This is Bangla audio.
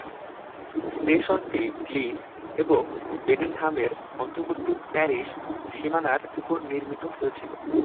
স্টেশনটি গ্লিন্ড এবং বেডিংহামের মধ্যবর্তী প্যারিশ সীমানার উপর নির্মিত হয়েছিল।